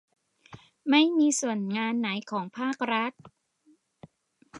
ไม่มีส่วนงานไหนของภาครัฐ